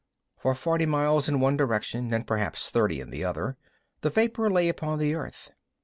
For forty miles in one direction and perhaps thirty in the other, the vapor lay upon the earth.